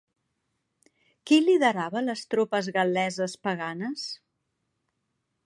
Qui liderava les tropes gal·leses paganes?